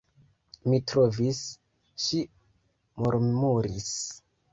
Mi trovis, ŝi murmuris.